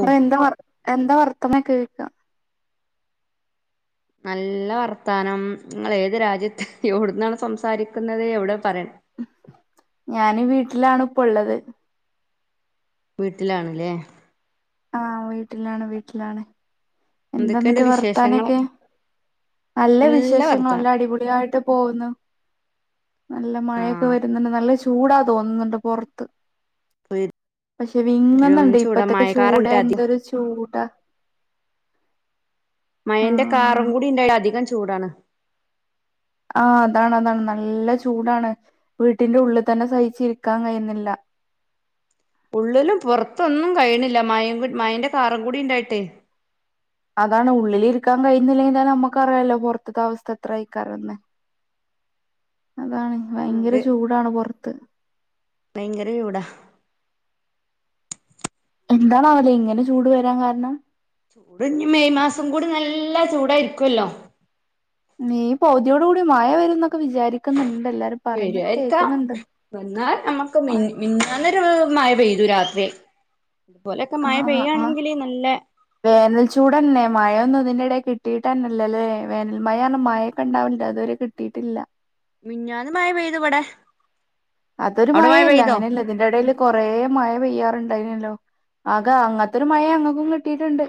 Hello എന്താ വർ എന്താ വർത്താനംക്കെ ചോയ്ക്ക നല്ല വർത്താനം ഇങ്ങള് ഏത് രാജ്യത്ത് എവ്ട്ന്നാണ് സംസാരിക്ക്‌ന്നത് എവ്ടെ പറയണ് ഞന് വീട്ട്ലാണ് ഇപ്പ ഇള്ളത് വീട്ട്ലാണ് ല്ലേ ആഹ് വീട്ടിലാണ് വീട്ടിലാണ് എന്താ എന്തൊക്കെയുണ്ട് ഇന്നിട്ട് വർത്താനൊക്കെ വിശേഷങ്ങളൊക്കെ നല്ല വിശേഷം നല്ല അടിപൊളിയായിട്ട് പോകുന്നു നല്ല മഴയൊക്കെ ആഹ് വരുന്നുണ്ട് നല്ല ചൂടാ തോന്ന്ന്ന്ണ്ട് പൊറത്ത് പക്ഷെ വീട്ടിലും വിങ്ങ്ന്ന്ണ്ട് ചൂടാ ഇപ്പക്കത്തെ ചൂട് മഴക്കാറുണ്ട് അധികം എന്തൊരു ചൂടാ മഴ ന്റെ കാറും ആഹ് കൂടി ഇണ്ടായാല് അധികം ചൂടാണ് ആഹ് അതാണ് അതാണ് നല്ല ചൂടാണ് വീട്ട്ന്റെ ഉള്ള് തന്നെ സഹിച്ച് ഇരിക്കാൻ കഴിയുന്നില്ല ഉള്ളിലും പുറത്തൊന്നും കയ്യ്ണ്ല്ല മഴ ങ്കു മഴെന്റെ കാറും കൂടി ഇണ്ടായിട്ടേ അതാണ് ഉള്ളില് ഇരിക്കാൻ കഴിയ്ന്ന്ല്ലെങ്കിതന്നെ നമ്മക്ക്‌ അറിയാലോ പൊറത്ത്ത്തെ അവസ്ഥ എത്രെ അയ്ക്കാരംന്ന് അതാണ് ഭയങ്കര അതെ ചൂടാണ് പൊറത്ത് ഭയങ്കര ചൂടാ എന്താണാവൊ ല്ലേ ഇങ്ങനെ ചൂട് വരാൻ കാരണം ചൂട് ഇഞ് മെയ് മാസം കൂടി നല്ല ചൂടായിരിക്കൊല്ലോ മെയ്‌ പൗതിയോട് കൂടി മഴ വെരുംന്നൊക്കെ വിചാരിക്ക്‌ന്ന്ണ്ട് എല്ലാരും വെരു പറയുന്നത് ആയിരിക്കാം കേൾക്കുന്നുണ്ട് വന്നാൽ നമ്മക്ക് ആ മിൻ മിഞ്ഞാന്നൊരു മഴ പെയ്തു രാത്രി അതുപോലെക്കെ മഴ ആ ആ പെയ്യാണെങ്കില് നല്ലെ വേനൽ ചൂടന്നെ മഴൊന്നും ഇതിന്റെ എടേ കിട്ടിയിട്ടെന്നെ ഇല്ലല്ലേ വേനൽ മഴ അർഞ്ഞ് മഴ ഒക്കെ ഇണ്ടാവൽണ്ട് അതൊരു കിട്ടിട്ടില്ല മിഞ്ഞാന്ന് മഴ പെയ്തു ഇവടെ അതൊരു മഴ അല്ല അങ്ങനെ ഇള്ളെഹ് ഇതിന്റെ എടേല് കൊറേ മഴ പെയ്യാറ് ഇണ്ടായ്ന്യല്ലോ അകെ അങ്ങത്തെരു മഴ അങ്ങക്കും കിട്ടിയിട്ട്ണ്ട്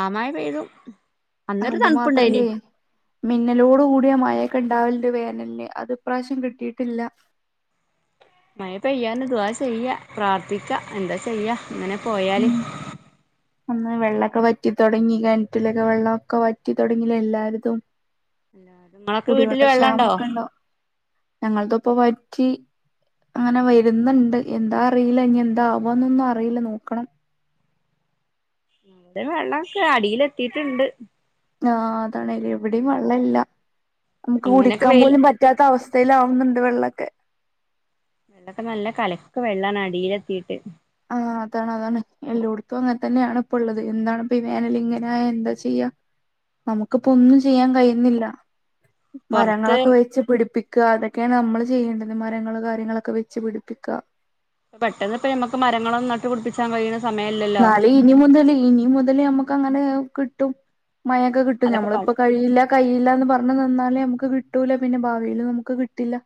ആ മഴ പെയ്തു അന്നൊരു അത് തൺപ്പ് ഇണ്ടേയ്നി മാത്രല്ലേ മിന്നലോട് കൂടിയ മഴയൊക്കെ ഇണ്ടാവല്ണ്ട് വേനൽന് അത് ഇപ്രാവശ്യം കിട്ടീട്ട്ല്ല മഴ പെയ്യാന് ദുഹാ ചെയ്യ പ്രാർത്ഥിക്ക എന്താ ചെയ്യ ഇങ്ങനെ പോയാല് അന്ന് വെള്ളൊക്കെ വറ്റി ത്തൊടങ്ങി കെൻറ്റിലൊക്കെ വെള്ളം ഒക്കെ വറ്റി തൊടങ്ങില്ലേ എല്ലാര്തും ആ കുടിവെള്ള ക്ഷാമൊക്കെ ഇണ്ടോ ഞങ്ങൾതു ഇപ്പൊ വറ്റി അങ്ങനെ വരുന്നുണ്ട് എന്താ അറിയില്ല ഇനി എന്താ ആവാന്നൊന്നും അറിയില്ല നോക്കണം. ഇവിടെ വെള്ളമൊക്കെ അടിയിലെത്തിയിട്ടുണ്ട് ആഹ് അതാണല്ലേ ഇവിടെയും വെള്ളയില്ല നമുക്ക് ഇങ്ങനെയൊക്കെ കുടിക്കാൻ വെയില് പോലും പ റ്റാത്ത അവസ്ഥയിലാവുന്നുണ്ട് വെള്ളവൊക്കെ ഇവിടൊക്കെ നല്ല കലക്ക് വെള്ളമാണ് അടിയിലെത്തിട്ട് ആഹ് അതാണ് അതാണ് എല്ലോടത്തും അങ്ങനെ തന്നെയാണ് ഇപ്പ ഉള്ളത് എന്താണ്പ്പ വേനൽ ഇങ്ങനെ ആയാൽ എന്താ ചെയ്യാ. നമുക്കിപ്പോ ഒന്നും ചെയ്യാൻ കഴിയുന്നില്ല. പൊറത്ത് മരങ്ങളൊക്കെ വെച്ച് പിടിപ്പിക്ക അതൊക്കെയാണ് നമ്മള് ചെയ്യേണ്ടത് മരങ്ങള് കാര്യങ്ങളൊക്കെ വെച്ച് പിടിപ്പിക്ക പെട്ടെന്ന് ഇപ്പൊ നമുക്ക് മരങ്ങള് ന്നട്ടു പിടിപ്പിച്ചാൻ കഴിയണ് എന്നാല് ഇനി മുതല് ഇനി മുതല് നമുക്ക് അങ്ങനെ കിട്ടും മഴൊക്കെ കിട്ടും എന്നിട്ട് അതൊക്കെ പ ഞമ്മളിപ്പ കഴിയില്ല കയ്യില്ല പറഞ്ഞ് നിന്നാല് നമുക്ക് കിട്ടൂല പിന്നെ ഭാവില് നമുക്ക് കിട്ടില്ല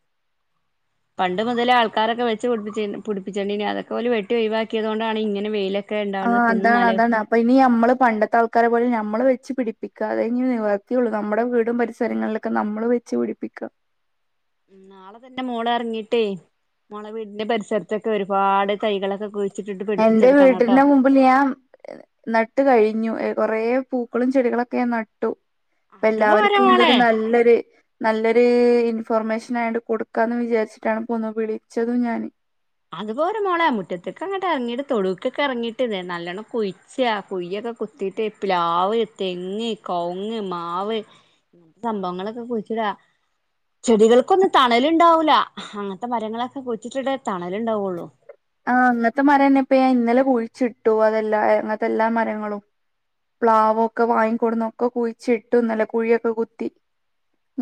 പണ്ട് മുതല് ആൾക്കാരൊക്കെ വെച്ച് പ്പിടിപ്പിച്ച പിടിപ്പിച്ചണ്ടയിനു അതൊക്കെ ഓല് വെട്ടി ഒഴിവാക്കിയതുകൊണ്ടാണ് ഇങ്ങനെ വെയ്യിലൊക്കെ ആഹ് അതാണ് അതാണ് അപ്പൊ ഇനി നമ്മള് പണ്ടത്തെ ആൾക്കാരെ പോലെ നമ്മള് വെച്ച് പിടിപ്പിക്ക അതെ ഇനി നിവർത്തിയുള്ളൂ നമ്മടെ വീടും പരിസരങ്ങളിലൊക്കെ ഒക്കെ നമ്മള് വെച്ച് പിടിപ്പിക്ക നാളെ തന്റെ മോള് ഇറങ്ങിട്ട് മോളെ വീടിന്റെ പരിസരത്തൊക്കെ ഒരുപാട് തൈകളൊക്കെ കുഴ വെച്ചിട്ട് പടിപ്പിച്ചെടുക്കാം കേട്ടോ ഇപ്പൊ ഞാൻ നട്ട് കഴിഞ്ഞു എഹ് കൊറെേ പൂക്കളും ചെടികളൊക്കെ ന ട്ടു ഇപ്പം അത് പോരാ എല്ലാവരിക്കും ഇതൊരു മോളെ നല്ലൊരു നല്ലൊരു ഇൻഫർമേഷൻ ആയിട്ട് കൊടുക്കാന്ന് വിചാരിച്ചിട്ടാണ് ഇപ്പൊന്ന് വിളിച്ചതും ഞാന് അത്പോരാ മോളെ മുറ്റത്തേക്ക് അങ്ങട്ട് ഇറങ്ങിട്ട് തൊടുക്കെറങ്ങിയിട്ട് നല്ലോണ്ണം കുയി്ച്ച് കുയ്യൊക്കെ കുത്തീട്ട് പ്ലാവ്, തെങ്ങ്, കവുങ്ങ്, മാവ് സംഭവങ്ങളൊക്കെ കുഴിച്ചിടാ ചെടികൾക്കൊന്നും തണലുണ്ടാവൂലാ അങ്ങനത്തെ മരങ്ങളൊക്കെ കുഴിച്ചിട് തണലുണ്ടാവുള്ളു ആഹ് അങ്ങനത്തെ മരയിന്നപ്പോ ഞാൻ ഇന്നലെ കുഴിച്ചിട്ടു അതെല്ലാ അങ്ങനത്തെല്ലാ മരങ്ങളും പ്ലാവൊക്കെ വാങ്ങിക്കൊടുന്ന് ഒക്കെ കുഴിച്ചിട്ടു ഇന്നലെ കുഴിയൊക്കെ കുത്തി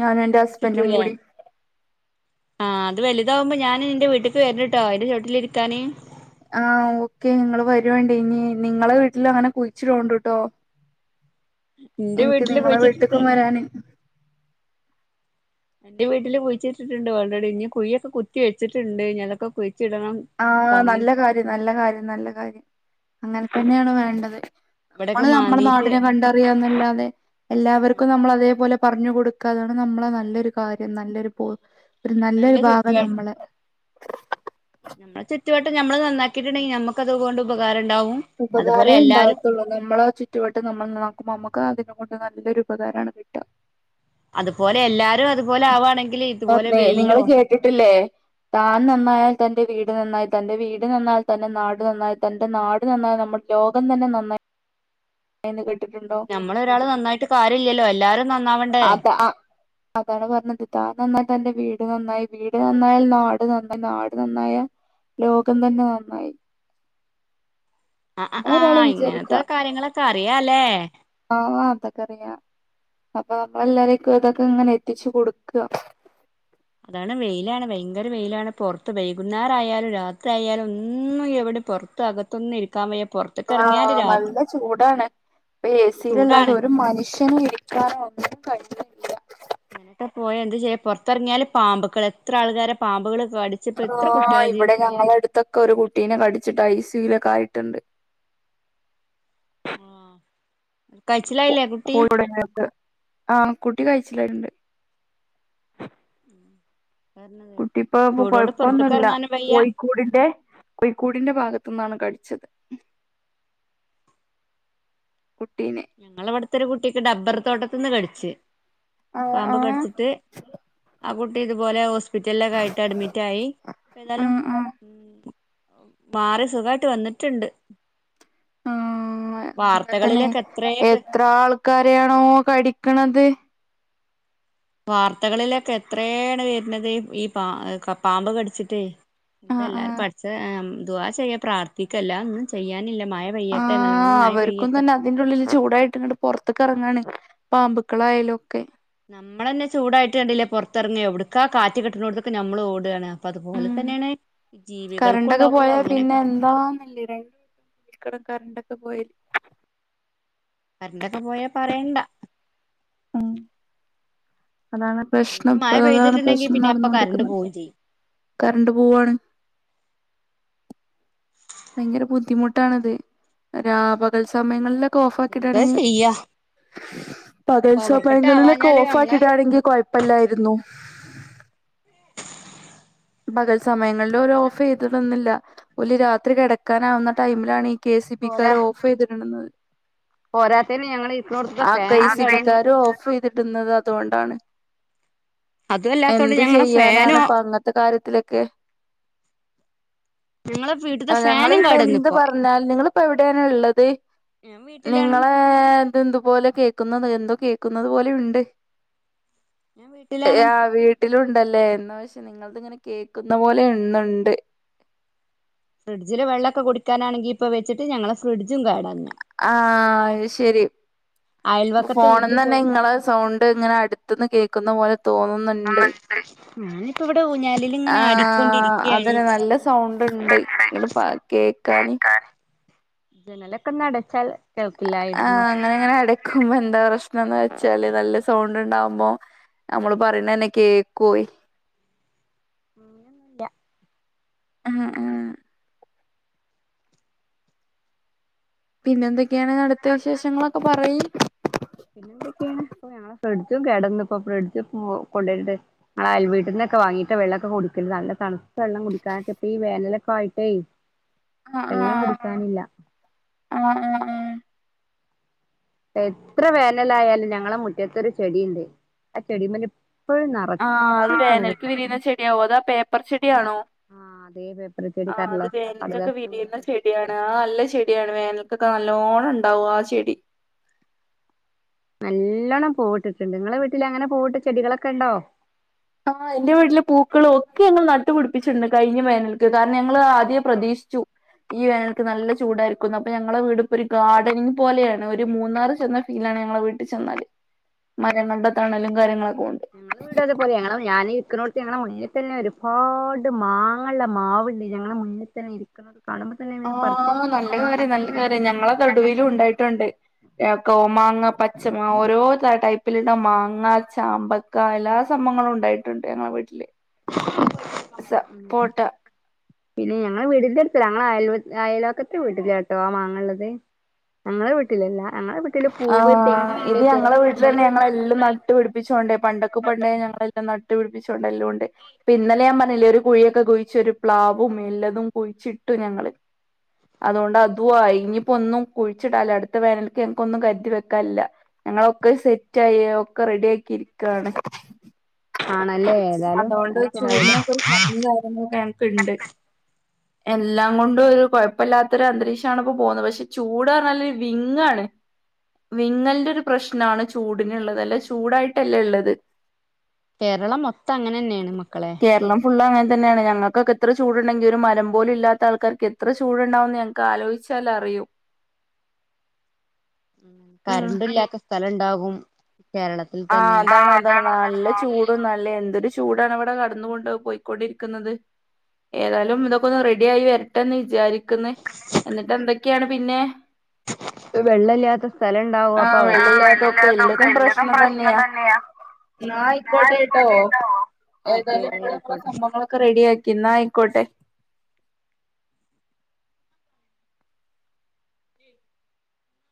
ഞാനും എന്റെ ഹസ്ബൻഡും കുഴിച്ചിട്ടൂല്ലേ കൂടി ആഹ് അത് വലുതാവുമ്പോ ഞാൻ നിന്റെ വീട്ക്ക് വരിട്ടോ അതിന്റെ ചോട്ടിലിരിക്കാന് ആഹ് ഓക്കെ നിങ്ങള് വരുണ്ടേ ഇനി നിങ്ങളെ വീട്ടിൽ അങ്ങനെ കുഴിച്ചിട്ട്ടോണ്ട് കേട്ടോ എന്റെ എനിക്ക് വീട്ടില് നിങ്ങളെ കുഴിച്ചിട്ടിട്ട് വീട്ടക്കും വരാന് എന്റെ വീട്ടില് കുഴിച്ചിട്ടിട്ടുണ്ട് ആൾറെഡി ഇനി കുഴിയൊക്കെ കുത്തി വെച്ചിട്ടുണ്ട് ഇനി അ തൊക്കെ കുഴിച്ചിടണം ആഹ് കൊങ്ങിൻ നല്ല കാര്യം നല്ല കാര്യം നല്ല കാര്യം അങ്ങനെ തന്നെയാണ് വേണ്ടത് ഇവിടൊക്കെ നമ്മള് നമ്മളെ മാന്തീട്ട് നാടിനെ കണ്ടറിയന്നല്ലാതെ എല്ലാവർക്കും നമ്മള് അതേപോലെ പറഞ്ഞു കൊടുക്കാതാണ് നമ്മളെ നല്ലൊരു കാര്യം നല്ലൊരു പോയിന്റ് ഒരു നല്ല നല്ലൊരു ഭാഗം ചുറ്റുവ നമ്മളെ എന്ന ചുറ്റുവട്ട നമ്മള് നന്നാക്കിട്ടുണ്ടെങ്കിൽ നമുക്ക് അതുകൊണ്ട് ഉപകാരണ്ടാവും ഉപകാരേ ഉണ്ടാവത്തുള്ളൂ നമ്മളെ ചുറ്റും ചുറ്റുവട്ടം നമ്മൾ ഒന്ന് നോക്കുമ്പോൾ നമുക്ക് അതിനെ കൊണ്ട് നല്ലൊരു ഉപകാരാണ് കിട്ടുക അത്പോലെ എല്ലാരും അതുപോലെ ആവാണെങ്കില് ഒക്കെ നിങ്ങള് കേട്ടിട്ടില്ലേ താൻ നന്നായാൽ തന്റെ വീട് നന്നായി തന്റെ വീട് നന്നായാൽ തന്റെ നാട് നന്നായി തന്റെ നാട് നന്നായാൽ നമ്മൾ ലോകം തന്നെ നന്നായി എന്ന് കേട്ടിട്ടില്ലേ നമ്മള് ഒരാള് നന്നായിട്ട് കാര്യയില്ലല്ലോ എല്ലാരും നന്നാവണ്ടേ അത ആ അതാണ് പറഞ്ഞത് താൻ നന്നായാൽ തന്റെ വീട് നന്നായി വീട് നന്നായാൽ നാട് നന്നായി നാട് നന്നായാൽ ലോകം തന്നെ നന്നായി. ആഹ് നമ്മള് ഒരാളെ ആഹ് വിചാരിക്കുക ഇങ്ങനത്തെ കാര്യങ്ങളൊക്കെ അറിയാല്ലേ ആ അതൊക്കെ അറിയാം അപ്പ നമ്മൾ എല്ലാരേക്കും ഇതൊക്കെ ഇങ്ങനെ എത്തിച്ചു കൊടുക്കുക അതാണ് വെയിലാണ് ഭയങ്കര വെയിലാണ് പൊറത്ത് വൈകുന്നേരം ആയാലും രാത്രി ആയാലും ഒന്നും ഇവിടെ പൊറ ത്ത അകത്തൊന്നും ഇരിക്കാൻ വയ്യ പൊറ ആഹ നല്ല ചൂടാണ് ഇപ്പ ആ ഏസിലല്ലാതെ ചൂടാണ് ഒരു മനുഷ്യനും ഇരി ക്കാനോ ഒന്നും കഴിയൂല ഇങ്ങനത്തെ പോയ എന്തു ചെയ്യ പൊറത്തിറങ്ങിയാല് പാമ്പുക്കൾ എത്ര ആൾക്കാരെ പാമ്പുകൾ കടി ആ ഇവിടെ ഞങ്ങളെ എടുത്തൊക്കെ ഒരു കുട്ടീനെ കടിച്ചിട്ട് ഐസിയു ലൊക്കെ ആയിട്ടുണ്ട് ആ കഴിച്ചിലായില്ലേ കു [unintelligible] ആഹ കുട്ടി കഴിച്ചില്ലായിട്ടുണ്ട് [unintelligible] കുട്ടിപ്പോ ചൂടോണ്ട് പുറത്ത്ക്ക് കൊഴപ്പൊന്നും ല്ല ഇറങ്ങാനും വയ്യ കോഴിക്കൂടിന്റെ കോഴിക്കൂടിന്റെ ഭാഗത്ത്ന്നാണ് കടിച്ചത് കുട്ടീനെ ഞങ്ങളെ ഇവ്ടത്തെ ഒരു കുട്ടിക്ക് ഡബ്ബർ തോട്ടത്ത്ന്ന് കടിച്ച് ആഹ് പാമ്പ് ആഹ് കടിച്ചിട്ട് ആ കുട്ടി ഇതുപോലെ ഹോസ് പിറ്റലിലൊക്കെ ആയിട്ട് അഡ്മിറ്റ് ആയി ഇപ്പ ഏതാലും ഉം മാറി സുഖായിട്ട് വന്നിട്ടുണ്ട് ആ അന്നതന്നെ വാർത്തകളിലൊക്കെ എത്രേ എത്ര ആൾക്കാരെ ആണോ കടിക്ക്ണത് വാർത്തകളിലൊക്കെ എത്രയേണ് വരുന്നത് ഈ പ പാമ്പ് കടിച്ചിട്ടെ ആഹ് ആഹ് എന്തല്ലാരും പഠിച്ച ദുഹാ ചെയ്യ പ്രാർത്ഥിക്കല്ല ഒന്നും ചെയ്യാനില്ല മഴ ആ പെയ്യട്ടെ നല്ലോണം മഴ അവർക്കും പെയ്യട്ടെ തന്നെ ഇതിന്റെ ഉള്ളിൽ ചൂടായിട്ട്ങ്ങട്ട് പൊറത്ത്ക്ക് എറങ്ങാണ് പാമ്പുക്കളായാലും ഒക്കെ നമ്മളന്നെ ചൂടായിട്ട് കണ്ടില്ലേ പൊറത്തറങ്ങ എവിടുക്കാ കാറ്റ് കിട്ട്ണോടുത്ത്ക്ക് നമ്മള് ഓടാണ് അപ്പ അതുപോലെ ഉം തന്നെയാണ് ജീവികൾക്കുണ്ടാവല്ലോ അങ്ങനെയൊക്കെ [unintelligible] ഇക്കട കരണ്ടൊക്കെ പോയിട്ട് കരണ്ടൊക്കെ പോയാ പറയണ്ട ഉം അതാണ് ഒന്ന് പ്രശ്നം മഴ ഇപ്പ അതാണ് പെയ്തിട്ടുണ്ടെങ്കി പ്രശ്നം പിന്നെ അപ്പൊ കറണ്ട് നടന്നോണ്ട്ക്ക്ണത് പോവും ചെയ്യും കരണ്ട് പോവാണ് ഭയങ്കര ബുദ്ധിമുട്ടാണത് രാ പകൽ സമയങ്ങളിലൊക്കെ എന്താ ഓഫാക്കിടാണെങ്കി ചെയ്യാ പകൽ പവർക്കട്ട് സമയങ്ങളിലൊക്കെ ആവാഞ്ഞാല് നമ്മളെ ഓഫാക്കിടാണെങ്കിൽ കൊഴപ്പല്ലായിരുന്നു പകൽ സമയങ്ങളില് ഒരു ഓഫ് ചെയ്ത് തന്നില്ല ഓല് രാത്രി കെടക്കാനാവുന്ന ടൈമിലാണ് ഇ കെ സി പോരാ ബിക്കാര് ഓഫ് ചെയ്തിടുന്നത് പോരാത്തേന് ഞങ്ങള് ഇരിക്കണോടത്തൊക്കെ ആ കെ ഫാനൊക്കെ സി കെടന്ന് ബിക്കാര് ഓഫ് ചെയ്തിടുന്നത് അ അതോണ്ടാണ് അതും അല്ലാത്തോണ്ട് എന്ത് ഞങ്ങളെ ചെയ്യാനാണ് ഫാനും പ്പ അങ്ങത്തെ കാര്യത്തിലൊക്കെ ഞങ്ങളെ വീട്ടത്തെ ആ ഞങ്ങള് ഫാനും ഇപ്പ എന്ത് കേടന്നിപ്പോ പറഞ്ഞാലും നിങ്ങള് ഇപ്പ എവിടെയാണ് ഇള്ളത് ഞാൻ വീട്ടിലാണ് നിങ്ങളെ ഏ ഇത് എന്ത് പോലെ കേക്കുന്നത് എന്തോ കേക്കുന്നത് പോലെ ഉണ്ട് ഞാൻ വീട്ടിലാണ് യാ വീട്ടിലുണ്ടല്ലേ എന്നാ വച്ചെ നിങ്ങൾക്ക് അത്ങ്ങനെ കേൾക്കുന്ന പോലെ ഇന്ന്‌ണ്ട് ഫ്രിഡ്ജില് വെള്ളൊക്കെ കുടിക്കാനാണെങ്കി ഇപ്പ വെച്ചിട്ട് ഞങ്ങളെ ഫ്രിഡ്ജും കേടാന്നെ ആ അഹ് ശരി അയൽവക്കത്തെ ഫോണ്ന്ന് വീട്ടിൽ തന്നെ പോയിട്ട് ഇങ്ങള് സൗണ്ട് ഇങ്ങനെ അടുത്ത്ന്ന് കേൾക്കുന്ന പോലെ തോന്നുന്നു ഞാനിപ്പോ ഇവിടെ ഊഞ്ഞാലിൽ ആ ഇങ്ങനെ ആടിക്കൊണ്ടിരിക്കയാണ് അതെന്നെ നല്ല സൗണ്ട് ഉണ്ട് ഇങ്ങ പ കേക്കാനി ജനലൊക്കൊന്നടച്ചാൽ കേൾക്കില്ലായിരുന്നു എങ്ങനെ അട ക്കുമ്പ എന്താ പ്രശ്നം ന്ന് വെച്ചാല് നല്ല സൗണ്ട് ഇണ്ടാവുമ്പോ നമ്മള് പറയുന്നന്നെ കേക്കോയ് ഉം ആഹ് ആഹ് പിന്നെ എന്തൊക്കേണ് അടുത്ത വിശേഷങ്ങളൊക്ക പറയ് പിന്നെ എന്തക്കേണ് ഇപ്പൊ ഞങ്ങളെ ഫ്രിഡ്ജും കേടന്ന് ഇപ്പോ ഫ്രിഡ്ജ് പോ കൊണ്ടേണ്ട് ഞങ്ങൾ അയൽ വീട്ട്നൊക്ക വാങ്ങീട്ടാ വെള്ളക്കെ കുട്ടിക്കല്ല് നല്ല തണ്ത്ത വെള്ളം കുടിക്കാനൊക്കെ ഇപ്പ ഈ വേനലൊക്കെ ആയിട്ടേ അഹ് ആ വെള്ളം കുടിക്കാനില്ല അഹ് അഹ് ആ എത്ര വേനലായാലും ഞങ്ങള മുറ്റത്ത് ഒരു ചെടിണ്ട് ആ ചെടിമ്മെ പ്പഴും നറ ആഹ് അത് വേനൽക്ക് വിരിയുന്ന ചെടാവും അതാ പേപ്പർ ചെടിയാണോ ആ അതേ പേപ്പർ ചെടി ആഹ് അത് കടലാസ് വേനിക്കൊക്ക കടലാസ് പൂവിന്റെ വിരിയുന്ന ചെ ചെടി ചെടിയാണ് ആഹ് നല്ല ചെടിയാണ് വേനൽക്കൊക്കെ നല്ലോണ്ണം ഇണ്ടാവും ആ ചെടി നല്ലോണ്ണം പൂവ്ട്ട്ട്ട്ണ്ട് ഇങ്ങളെ വീട്ടിൽ അങ്ങനെ പൂവ്ട്ട ചെടികളൊക്ക ഇണ്ടോ ആഹ് എന്റെ വീട്ടില് പൂക്കളും ഒക്കെ ഞങ്ങൾ നട്ടുപിടിപ്പിച്ച്ണ്ട് കഴിഞ്ഞ വേനൽക്ക് കാരണം ഞങ്ങൾ ആദ്യേ പ്രതീഷ്ച്ചു ഈ വേനല്ക്ക് നല്ല ചൂടാരിക്കും ന്ന് അപ്പ ഞങ്ങളെ വീട്പ്പഒരു ഗാഡനിങ് പോലെയാണ് ഒരു മൂന്നാറ് ചെന്ന ഫീലാണ് ഞങ്ങളെ വീട്ടിചെന്നാൽ മരങ്ങള്ടെ തണലും കാര്യങ്ങളൊക്ക ഉണ്ട് ഞങ്ങള വീ അത്പോലെ ഞങ്ങള ഞാൻ ഇക്ക്നോണ്ട്ത്ത് ഞങ്ങളെ മുന്നി തന്നെ ഒരുഫാട് മാങ്ങള്ള മാവ്ണ്ട് ഞങ്ങളെ മുന്നി തന്നെ ഇരിക്കണം അത് കാണുപ ആഹ് നല്ല കാര്യം നല്ല കാര്യം ഞങ്ങള തൊടുവിലും ഉണ്ടായിട്ടുണ്ട് കോ മാങ്ങ പച്ച മാങ്ങ ഓരോ ടൈ ടൈപ്പില്ള്ള മാങ്ങ ചാമ്പ ക്ക എല്ലാ സംഭങ്ങളും ഉണ്ടായിട്ടുണ്ട് ഞങ്ങള വീട്ട്ല് ഉം പിന്നെ ഞങ്ങളെ വീടിന്റെ അട്ത്തല്ല ഞങ്ങ അയൽ അയൽ വക്കത്തെ വീട്ടിലാട്ടോ ആ മാങ്ങള്ളത് ഞങ്ങള വീട്ടിലല്ല ഞങ്ങളവി - - ആഹ് ഇത് ഞങ്ങള വീട്ട്ലന്നെ ഞങ്ങളെല്ലാം നട്ടുപിടിപ്പിച്ചോണ്ടേ പണ്ടക്ക് പണ്ടേ ഞങ്ങളെല്ലാം ന നട്ടുപിടിപ്പിച്ചോണ്ട് ച്ചൊരു പ്ലാവും എല്ലതും കുയിച്ചിട്ടു ഞങ്ങള് അതോണ്ട് അതു അയി ഇഞ്പ്പോ ഒന്നും കുഴിച്ചിണ്ടാല്ല അട്ത്ത വേനൽക്ക് കൊന്നും കര്തി വെക്കാല്ല ഞങ്ങളൊക്കെ സെറ്റ് ആയി ഒക്കെ റെഡി ആക്കി ഇരിക്കാണ് ആണല്ലേ ഏതായാലും അതോണ്ട് നല്ല സുഖായല്ലോ ചൂട്നൊക്കെ ഒരു ഭംഗി കാര്യങ്ങളൊക്കെ ഞമ്മക്ക്ണ്ട് എല്ലാം കൊണ്ടും ഒരു കൊഴപ്പല്ലാത്ത ഒരു അന്തരീഷാണ് ഇപ്പോ പോവുന്ന് പക്ഷെ ചൂട് അറഞ്ഞാല് വിങ്ങാണ് വിങ്ങല്ന്റെ ഒരു പ്രശ്നാണ് ചൂടന്ള്ളത് അല്ലചൂടായിട്ടല്ലേ ഇള്ളത് കേരളം മൊത്തം അങ്ങനെന്നേണ് മക്കളെ ഫുള്ള അങ്ങൻതന്നെണ് ഞങ്ങൾക്കെക്ക എത്ര ചൂട്ണ്ടെങ്കിലും മരം പോലും ഇല്ലാത്ത ആൾക്കാർക്ക് എത്ര ചൂട്ണ്ടാവും ഞ ക്ക ആലോയിച്ചാൽ അറിയും നിങ്ങ കരണ്ട് ഇല്ലാത്ത സ്ഥലണ്ടാകും കേരള ആഹ് അതാണ് അതാണ് നല്ല ചൂടും ന ല്ലെ എന്തൊരു ചൂടാണവടെ കടന്ന് കൊണ്ട് പോയിക്കൊണ്ടിരിക്കുന്നത് ഏതാലും ഇതൊക്കെ ഒന്ന് റെഡി ആയി വരട്ടെന്ന് വിചാരിക്കുന്നു എന്നിട്ട് എന്തൊക്കെണ് പിന്നെ വെള്ള ഇല്ലാത്ത സ്ഥലംണ്ടാവും. അപ്പ അവര്, ആഹ് വെള്ളല്ലാത്തൊക്കെ എല്ലതും പ്രശ്നം തന്നെയാ. ന്നാ ആയ്ക്കോട്ടെട്ടോ. ഓക്കെ ഏതായാലും ഇങ്ങളും ഇങ്ങളെ ആയിക്കോട്ടെ സംഭവങ്ങളൊ ക്കെ റെഡിയാക്കിന്നാ ആയിക്കോട്ടെ.